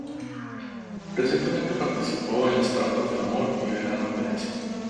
Recientemente participó en Las trampas del amor y Verano en Venecia.